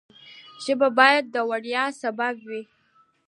ژبه باید د ویاړ سبب وي.